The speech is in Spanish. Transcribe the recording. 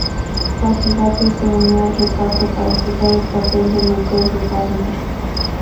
Kathy Bates se unió al reparto para jugar el papel del mentor de Darnell.